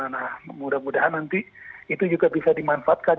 nah mudah mudahan nanti itu juga bisa dimanfaatkan